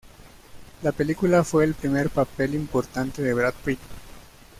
La película fue el primer papel importante de Brad Pitt.